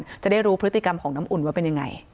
จะได้รู้พฤติกรรมของน้ำอุ่นว่าเป็นยังไง